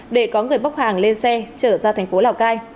để có người bóc hàng lên xe chở ra thành phố lào cai